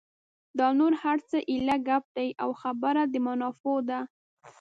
دا نور هر څه ایله ګپ دي او خبره د منافعو ده.